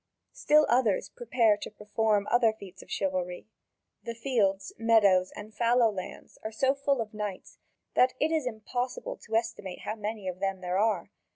Still others prepare to perform other feats of chivalry. The fields, meadows, and fallow lands are so full of knights that it is impossible to estimate how many of them are there.